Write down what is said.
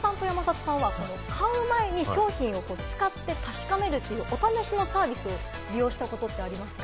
武田さん、山里さんは買う前に商品を使って確かめる、お試しのサービス利用したことってありますか？